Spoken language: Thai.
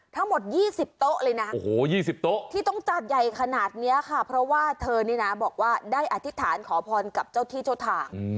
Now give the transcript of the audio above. ทั้งหมด๒๐โต๊ะเลยนะโอ้โห๒๐โต๊ะที่ต้องจัดใหญ่ขนาดนี้ค่ะเพราะว่าเธอนี่นะบอกว่าได้อธิษฐานขอพรกับเจ้าที่เจ้าทาง